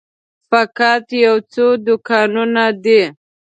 فقط یو څو دوکانونه دي.